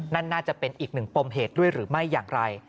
นั่นน่าจะเป็นอีกหนึ่งปมเหตุด้วยหรือไม่อย่างไร